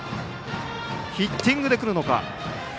ヒッティングでくるのか。